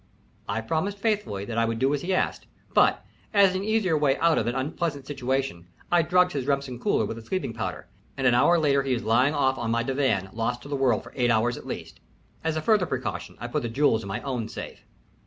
I promised faithfully that I would do as he asked, but, as an easier way out of an unpleasant situation, I drugged his Remsen cooler with a sleeping powder, and an hour later he was lying off on my divan lost to the world for eight hours at least. As a further precaution I put the jewels in my own safe.